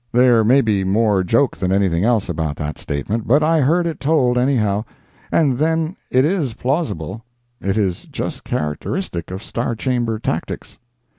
There may be more joke than anything else about that statement, but I heard it told, anyhow. And then it is plausible—it is just characteristic of Star Chamber tactics.